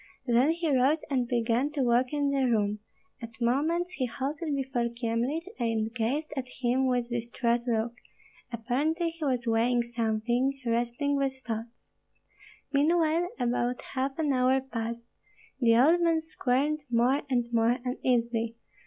Then he rose and began to walk in the room; at moments he halted before Kyemlich and gazed at him with distraught look; apparently he was weighing something, wrestling with thoughts. Meanwhile about half an hour passed; the old man squirmed more and more uneasily.